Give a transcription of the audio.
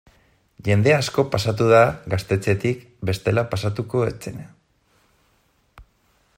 Jende asko pasatu da gaztetxetik bestela pasatuko ez zena.